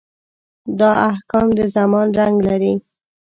دا احکام د زمان رنګ لري.